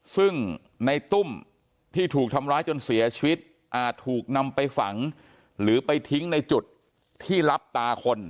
ซึ่งในตุ้มที่ถูกทำร้ายจนเสียชีวิตอาจถูกนำไปฝังหรือไปทิ้งในจุดที่รับตาคน